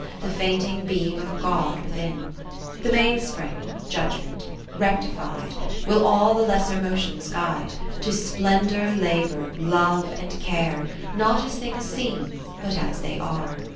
The fainting beam of God within. XII The mainspring (Judgement) recti fied, j Will all the lesser motions guide, i To spend our Labour, Love and Care, I Not as things seem, but as they are.